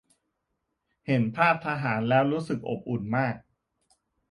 เห็นภาททหารแล้วรู้สึกอบอุ่นมาก